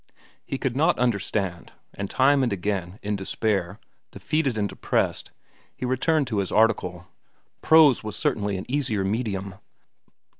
He could not understand, and time and again, in despair, defeated and depressed, he returned to his article. Prose was certainly an easier medium.